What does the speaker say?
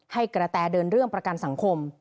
ให้กระแตเดินเรื่องประกันสังคม